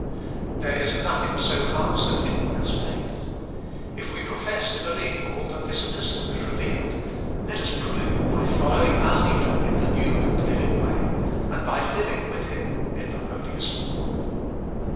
There is nothing so heart searching as faith. If we profess 448 abe Doltest of 21U to believe all that this Epistle has revealed, let us prove it by following our Leader in the new and living way, and by living with Him in the Holiest of All.